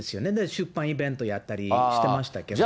出版イベントやったりしてましたけど。